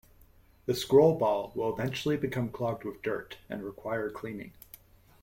The scroll ball will eventually become clogged with dirt and require cleaning.